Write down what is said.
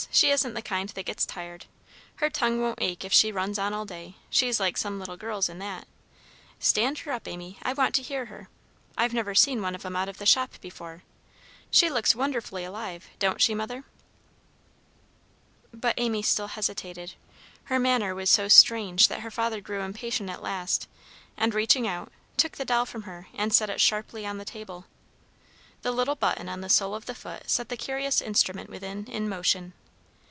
she isn't the kind that gets tired. Her tongue won't ache if she runs on all day; she's like some little girls in that. Stand her up, Amy, I want to hear her. I've never seen one of 'em out of the shop before. She looks wonderfully alive, doesn't she, Mother?" But Amy still hesitated. Her manner was so strange that her father grew impatient at last, and, reaching out, took the doll from her, and set it sharply on the table. The little button on the sole of the foot set the curious instrument within in motion.